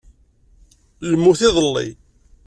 Yemmut iḍelli.